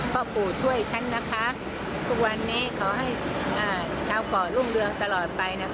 พ่อปู่ช่วยฉันทุกวันนี้ขอให้เจ้าเกาะร่วมเรื่องตลอดไป